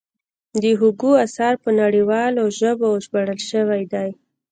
د هوګو اثار په نړیوالو ژبو ژباړل شوي دي.